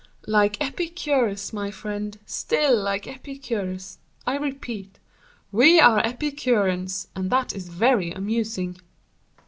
"Like Epicurus, my friend, still like Epicurus; I repeat, we are Epicureans, and that is very amusing."